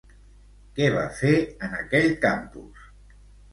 Què va fer en aquell campus?